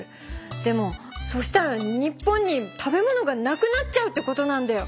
でもそうしたら日本に食べ物がなくなっちゃうってことなんだよ！